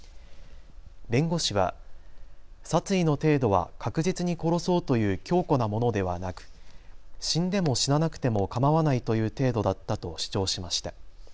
弁護士は殺意の程度は確実に殺そうという強固なものではなく死んでも死ななくてもかまわないという程度だったと主張しました。